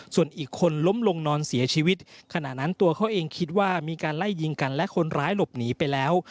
ส่วนอีกคนล้มลงนอนเสียชีวิตขณะนั้นตัวเขาเองคิดว่ามีการไล่ยิงกันและคนร้ายหลบหนีไปแล้ว